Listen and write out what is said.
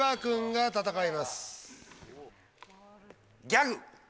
「ギャグ」。